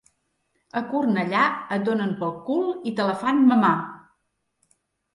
A Cornellà et donen pel cul i te la fan mamar.